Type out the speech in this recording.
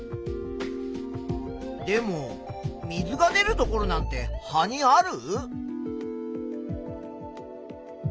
でも水が出るところなんて葉にある？